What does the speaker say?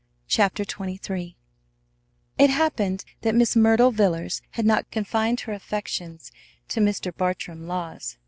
CHAPTER XXIII It happened that Miss Myrtle Villers had not confined her affections to Mr. Bartram Laws.